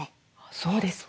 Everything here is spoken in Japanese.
そうですか。